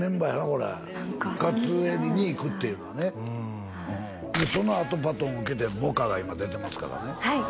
これ深津絵里にいくっていうのはねそのあとバトンを受けて萌歌が今出てますからねはい